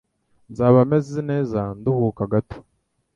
Nzaba meze neza nduhuka gato.